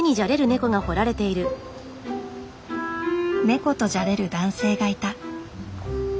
ネコとじゃれる男性がいた。